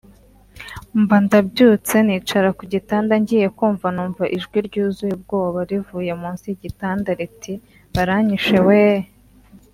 Mba ndabyutse nicara ku gitanda ngiye kumva numva ijwi ryuzuye ubwoba rivuye munsi y’igitanda riti “Baranyishe weeee